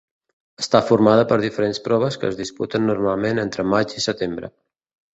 Està formada per diferents proves que es disputen normalment entre maig i setembre.